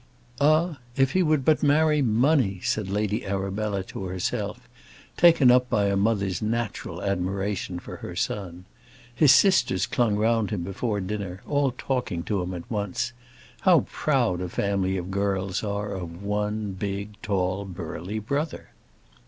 "Ah, if he would but marry money!" said Lady Arabella to herself, taken up by a mother's natural admiration for her son. His sisters clung round him before dinner, all talking to him at once. How proud a family of girls are of one, big, tall, burly brother!